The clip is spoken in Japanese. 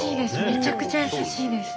めちゃくちゃ優しいです。